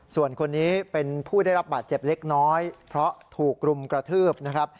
ส่วนคนนี้เป็นผู้ได้รับบาดเจ็บเล็กน้อยเพราะถูกรุมกระทืบนะครับ